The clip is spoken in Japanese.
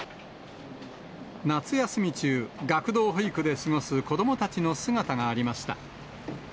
夏休み中、学童保育で過ごす子どもたちの姿がありました。